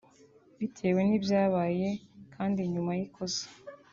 Bitewe n’ibyabaye kandi nyuma y’ikosa